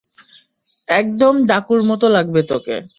একদম ডাকুর মত লাগবে তোকে।